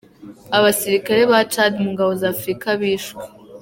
Abasirikare ba Tchad mu ngabo z’Afurika bishwe.